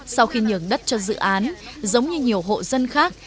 sau khi nhường đất cho dự án giống như nhiều hộ dân khác